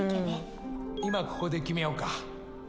今ここで決めようかＯＫ